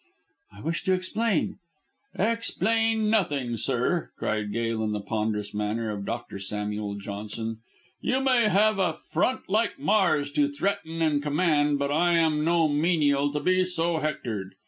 "I wish to explain " "Explain nothing, sir," cried Gail in the ponderous manner of Dr. Samuel Johnson. "You may have a front like Mars to threaten and command, but I am no menial to be so hectored."